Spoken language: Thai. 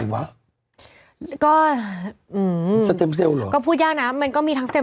ไว้วะใช่หาคือไข้แล้ว